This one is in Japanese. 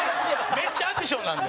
めっちゃアクションなんで。